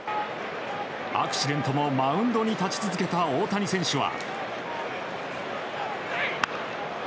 アクシデントもマウンドに立ち続けた大谷選手は。